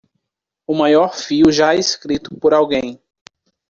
O maior fio já escrito por alguém.